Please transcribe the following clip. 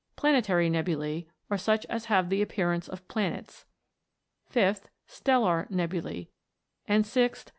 Planetary nebulae, or such as have the appearance of planets ; 5th. Stellar nebulas ; and, 6th.